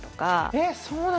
えっ。